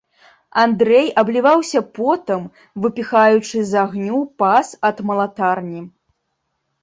Андрэй абліваўся потам, выпіхаючы з агню пас ад малатарні.